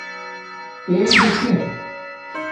تے بوٹݻ